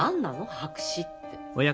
白紙って。